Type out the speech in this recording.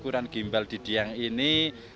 ukuran gimbal di diang ini